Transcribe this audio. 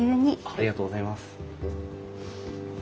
ありがとうございます。